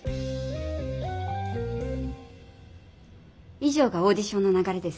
い上がオーディションの流れです。